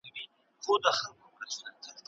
ایا تاسو د تاریخ مطالعې ته وخت ورکوئ؟